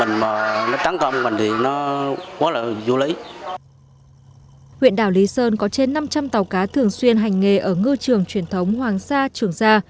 huyện đảo lý sơn có trên năm trăm linh tàu cá thường xuyên hành nghề ở ngư trường truyền thống hoàng sa trường sa